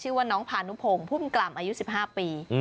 ชื่อว่าน้องพานุพงศ์พุ่มกล่ำอายุ๑๕ปี